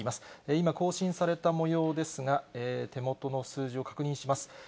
今、更新されたもようですが、手元の数字を確認します。